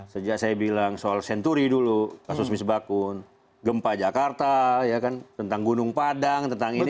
sejak saya bilang soal senturi dulu kasus misbakun gempa jakarta tentang gunung padang tentang ini